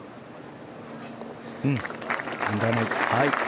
問題ない。